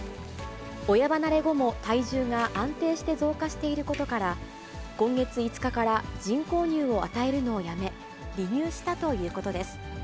親離れ後も体重が安定して増加していることから、今月５日から人工乳を与えるのをやめ、離乳したということです。